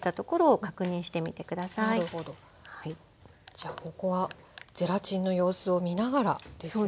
じゃあここはゼラチンの様子を見ながらですね。